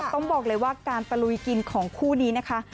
ต้องบอกเลยว่าการตะลุยกินของคู่นี้นะคะ